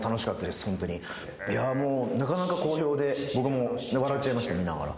もうなかなか好評で僕も笑っちゃいました見ながら。